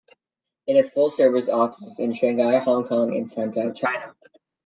It has full-service offices in Shanghai, Hong Kong and Shantou, China.